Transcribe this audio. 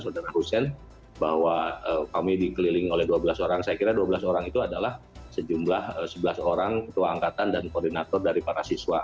saudara hussein bahwa kami dikelilingi oleh dua belas orang saya kira dua belas orang itu adalah sejumlah sebelas orang ketua angkatan dan koordinator dari para siswa